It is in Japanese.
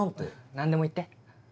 何でも言って。